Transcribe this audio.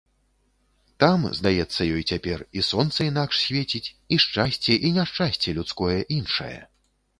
Там, здаецца ёй цяпер, і сонца інакш свеціць, і шчасце, і няшчасце людское іншае.